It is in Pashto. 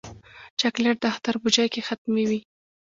چاکلېټ د اختر بوجۍ کې حتمي وي.